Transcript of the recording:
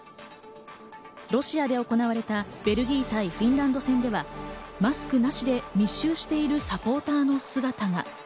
ロシアで行われたベルギー対フィンランド戦では、マスクなしで密集しているサポーターの姿が。